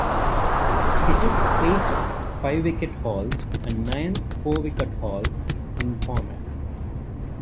He took eight five-wicket hauls and nine four-wicket hauls in the format.